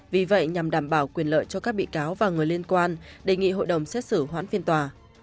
vì vậy nhằm đảm bảo quyền lợi cho các bị cáo và người liên quan đề nghị hội đồng xét xử hoãn phiên tòa